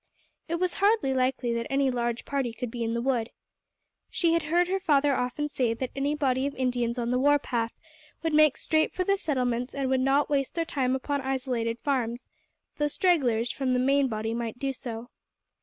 It was hardly likely that any large party could be in the wood. She had heard her father often say that any body of Indians on the war path would make straight for the settlements and would not waste their time upon isolated farms, though stragglers from the main body might do so.